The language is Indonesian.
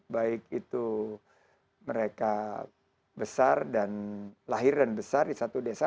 baik itu mereka besar dan lahir dan besar di satu desa